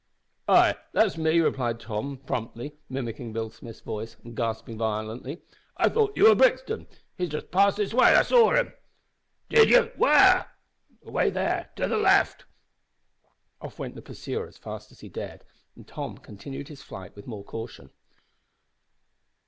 "Ay, that's me," replied Tom, promptly, mimicking Bill Smith's voice and gasping violently. "I thought you were Brixton. He's just passed this way. I saw him." "Did you? where?" "Away there to the left!" Off went the pursuer as fast as he dared, and Tom continued his flight with more caution.